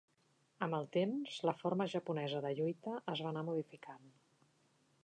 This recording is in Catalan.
Amb el temps, la forma japonesa de lluita es va anar modificant.